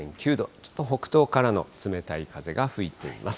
ちょっと北東からの冷たい風が吹いています。